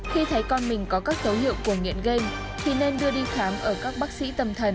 khi thấy con mình có các dấu hiệu của nghiện game thì nên đưa đi khám ở các bác sĩ tâm thần